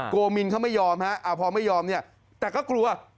โกมินเขาไม่ยอมพอไม่ยอมแต่ก็กลัว